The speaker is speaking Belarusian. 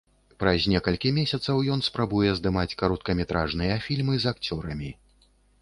Праз некалькі месяцаў ён спрабуе здымаць кароткаметражныя фільмы з акцёрамі.